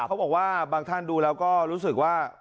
เขาบอกว่าบางท่านดูแล้วก็รู้สึกว่า